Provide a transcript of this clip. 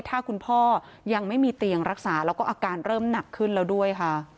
ถ้าคุณพ่อยังไม่มีเตียงรักษาแล้วก็อาการเริ่มหนักขึ้นแล้วด้วยค่ะ